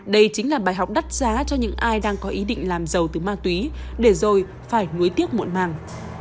đây chính là bài học đắt giá cho những ai đang có ý định làm giàu từ ma túy để rồi phải nối tiếc muộn màng